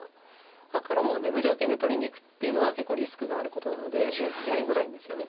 黒も無条件で取りにいくっていうのは結構リスクがあることなのでやりづらいんですよね。